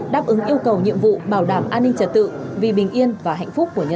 đáp ứng yêu cầu nhiệm vụ bảo đảm an ninh trật tự vì bình yên và hạnh phúc của nhân dân